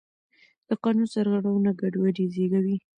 د قانون سرغړونه ګډوډي زېږوي